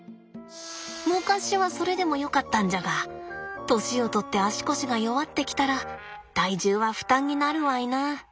昔はそれでもよかったんじゃが年をとって足腰が弱ってきたら体重は負担になるわいな。